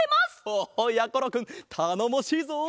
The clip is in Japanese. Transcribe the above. おおやころくんたのもしいぞ。